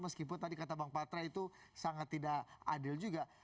meskipun tadi kata bang patra itu sangat tidak adil juga